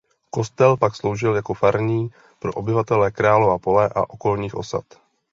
Kostel pak sloužil jako farní pro obyvatele Králova Pole a okolních osad.